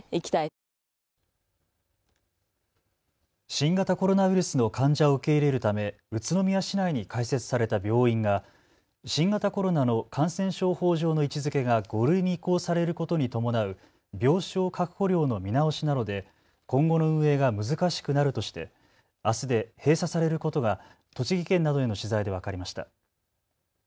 新型コロナウイルスの患者を受け入れるため宇都宮市内に開設された病院が新型コロナの感染症法上の位置づけが５類に移行されることに伴う病床確保料の見直しなどで今後の運営が難しくなるとしてあすで閉鎖されることが栃木県などへの取材で分かりました。